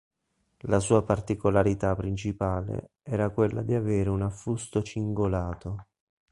La sua particolarità principale era quella di avere un affusto cingolato.